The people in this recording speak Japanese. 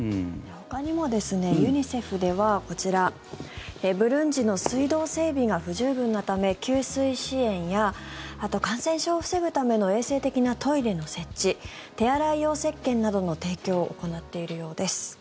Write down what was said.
ほかにもユニセフではこちら、ブルンジの水道整備が不十分なため給水支援やあとは感染症を防ぐための衛生的なトイレの設置手洗い用せっけんなどの提供を行っているようです。